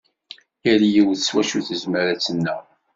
Yal yiwet s wacu tezmer ad tennaɣ.